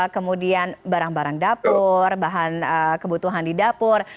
kemudian barang barang dapur bahan kebutuhan di dapur